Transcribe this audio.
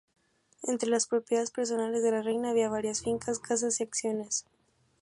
Entre ̀las propiedades personales de la reina había varias fincas, casas y acciones.